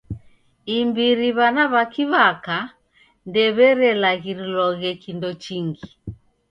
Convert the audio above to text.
Imbiri w'ana w'a kiw'aka ndew'erelaghiriloghe kindo chingi.